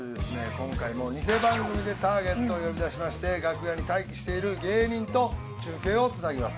今回も偽番組でターゲットを呼び出しまして楽屋に待機している芸人と中継をつなぎます